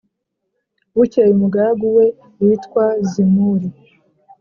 Bukeye umugaragu we witwa Zimuri